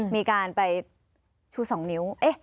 มีการไปชู๒นิ้ว